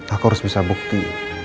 aku harus bisa bukti